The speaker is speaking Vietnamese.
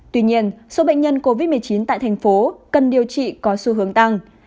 tuy nhiên số bệnh nhân covid một mươi chín tại thành phố cần điều trị có xu hướng tăng